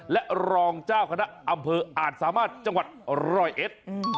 และรองเจ้าคณะอำเภออาจสามารถจังหวัดร้อยเอ็ด